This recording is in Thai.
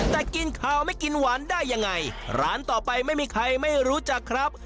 แต่กินขาวไม่กินหวานได้ยังไงร้านต่อไปไม่มีใครไม่รู้จักครับ